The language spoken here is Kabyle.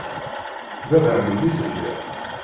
D abehlul i telliḍ.